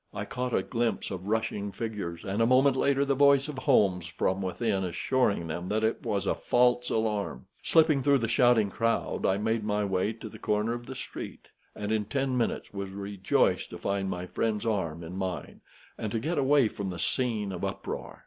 I caught a glimpse of rushing figures, and a moment later the voice of Holmes from within assuring them that it was a false alarm. Slipping through the shouting crowd, I made my way to the corner of the street, and in ten minutes was rejoiced to find my friend's arm in mine, and to get away from the scene of uproar.